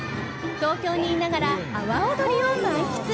東京にいながら阿波踊りを満喫！